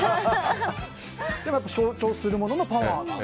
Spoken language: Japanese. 象徴するもののパワーが。